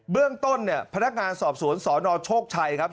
เรื่องต้นเนี่ยพนักงานสอบสวนสนโชคชัยครับ